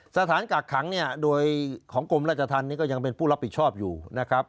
สถานกักขังเนี่ยโดยของกรมราชธรรมนี้ก็ยังเป็นผู้รับผิดชอบอยู่นะครับ